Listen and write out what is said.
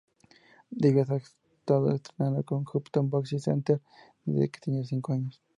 Davis ha estado entrenando en Upton Boxing Center desde que tenía cinco años.